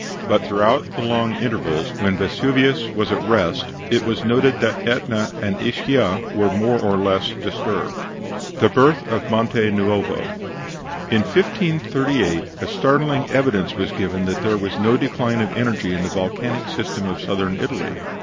But throughout the long intervals when Vesuvius was at rest it was noted that Etna and Ischia were more or less disturbed. THE BIRTH OF MONTE NUOVO In 1538 a startling evidence was given that there was no decline of energy in the volcanic system of Southern Italy.